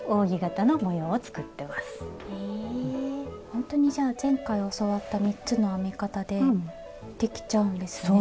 ほんとにじゃあ前回教わった３つの編み方でできちゃうんですね。